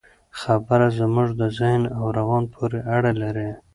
خبره زموږ د ذهن او روان پورې اړه لري.